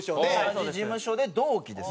同じ事務所で同期です。